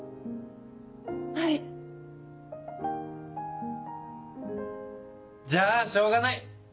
はい。じゃあしょうがない！